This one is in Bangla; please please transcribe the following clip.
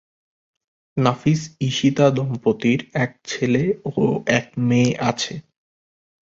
নাফীস-ঈশিতা দম্পতির এক ছেলে ও এক মেয়ে আছে।